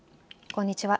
こんにちは。